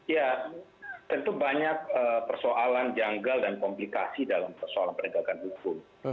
ya tentu banyak persoalan janggal dan komplikasi dalam persoalan penegakan hukum